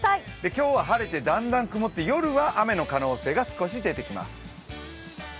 今日は晴れてだんだん曇って、夜は雨の可能性が少し出てきます。